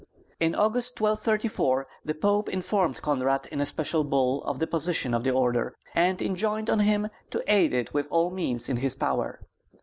In August, 1234, the Pope informed Konrad in a special bull of the position of the order, and enjoined on him to aid it with all means in his power.